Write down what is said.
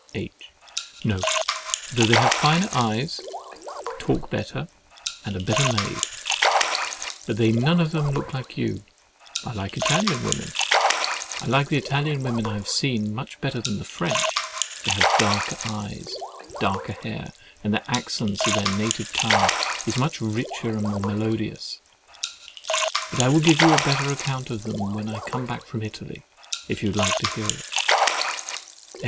H. No: though they have finer eyes, talk better, and are better made. But they none of them look like you. I like the Italian women I have seen, much better than the French: they have darker eyes, darker hair, and the accents of their native tongue are much richer and more melodious. But I will give you a better account of them when I come back from Italy, if you would like to hear it.